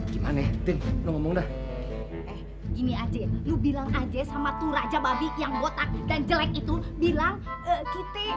gimana lu bilang aja sama tuh raja babi yang botak dan jelek itu bilang kita